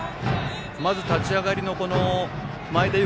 まず立ち上がりの前田悠